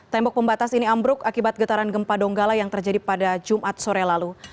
tembok pembatas ini ambruk akibat getaran gempa donggala yang terjadi pada jumat sore lalu